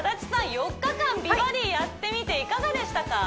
４日間「美バディ」やってみていかがでしたか？